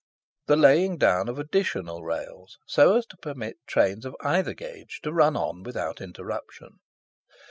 The laying down of additional rails, so as to permit trains of either gauge to run on without interruption.